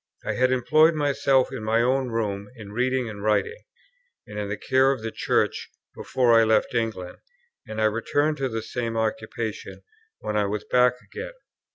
I had employed myself in my own rooms in reading and writing, and in the care of a Church, before I left England, and I returned to the same occupations when I was back again.